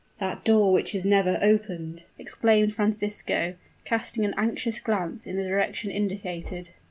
"That door which is never opened!" exclaimed Francisco, casting an anxious glance in the direction indicated.